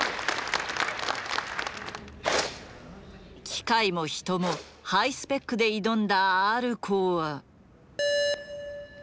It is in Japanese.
機械も人もハイスペックで挑んだＲコーは。